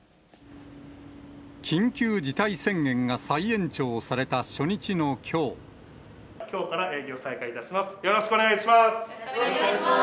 緊急事態宣言が再延長されたきょうから営業再開いたします。